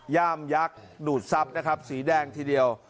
ย่ามยักษ์ดูดทรัพย์นะครับสีแดงทีเดียว